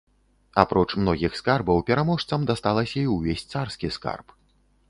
Апроч многіх скарбаў пераможцам дасталася і ўвесь царскі скарб.